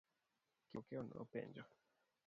Kipokeo nopenjo.